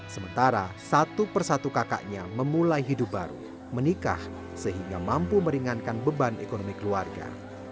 sementara satu persatu kakaknya memulai hidup baru menikah sehingga mampu meringankan beban ekonomi keluarga